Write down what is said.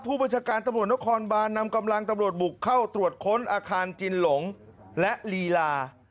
ผู้บัญชาการตำรวจนครบานนำกำลังตำรวจบุกเข้าตรวจค้นอาคารจินหลงและลีลา